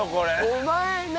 お前何？